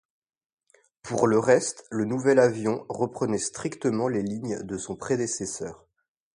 Pour le reste le nouvel avion reprenait strictement les lignes de son prédécesseur.